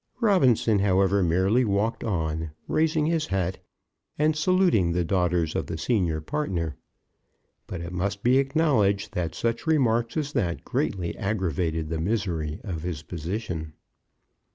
Robinson, however, merely walked on, raising his hat, and saluting the daughters of the senior partner. But it must be acknowledged that such remarks as that greatly aggravated the misery of his position.